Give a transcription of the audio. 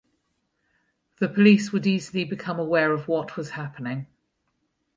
The police would easily become aware of what was happening.